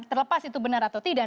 terlepas itu benar atau tidak